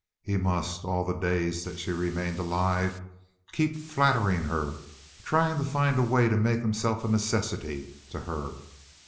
He must all the days that she remained alive keep flattering her, trying to find a way to make himself a necessity to her.